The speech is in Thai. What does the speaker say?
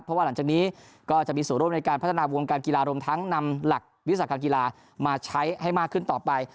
เพราะว่าหลังจากนี้ก็จะมีส่วนร่วมในการพัฒนาวงการกีฬารวมทั้งนำหลักวิสาหกรรมกีฬามาใช้ให้มากขึ้นต่อไป